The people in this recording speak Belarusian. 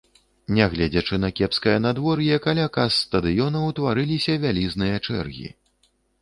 Нягледзячы на кепскае надвор'е, каля кас стадыёна ўтварыліся вялізныя чэргі.